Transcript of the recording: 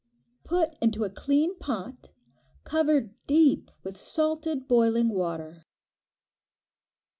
Put into a clean pot, cover deep with salted boiling water.